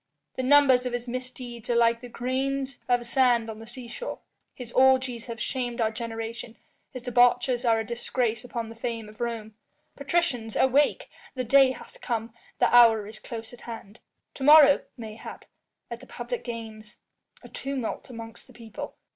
The numbers of his misdeeds are like the grains of sand on the seashore, his orgies have shamed our generation, his debauches are a disgrace upon the fame of Rome. Patricians awake! The day hath come, the hour is close at hand. To morrow, mayhap, at the public games ... a tumult amongst the people